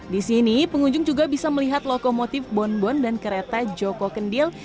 di sini pengunjung juga bisa melihat lokomotif bonbon dan kereta joko kendil